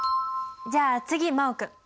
じゃあ次真旺君。